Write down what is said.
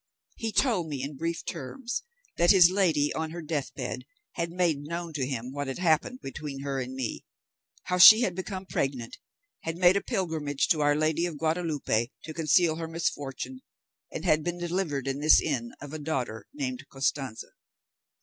He told me in brief terms that his lady on her deathbed had made known to him what had happened between her and me, how she had become pregnant, had made a pilgrimage to our Lady of Guadalupe to conceal her misfortune, and had been delivered in this inn of a daughter named Costanza.